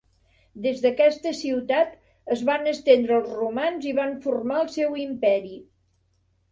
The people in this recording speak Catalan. Des d'aquesta ciutat es van estendre els romans i van formar el seu imperi.